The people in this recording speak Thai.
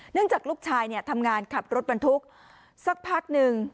จากลูกชายเนี่ยทำงานขับรถบรรทุกสักพักหนึ่ง